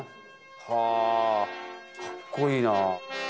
はあかっこいいな。